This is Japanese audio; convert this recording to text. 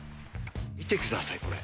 見てくださいこれ。